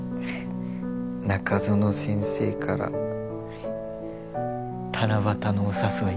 中園先生から七夕のお誘い。